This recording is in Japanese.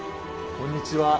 こんにちは。